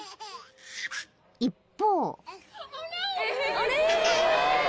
［一方］